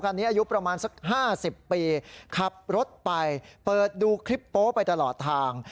อายุประมาณสัก๕๐ปีขับรถไปเปิดดูคลิปโป๊ไปตลอดทาง